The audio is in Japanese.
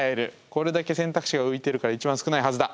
これだけ選択肢が浮いてるから一番少ないはずだ。